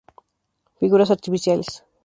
Figuras artificiales.